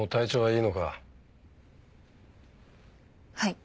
はい。